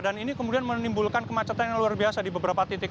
dan ini kemudian menimbulkan kemacetan yang luar biasa di beberapa titik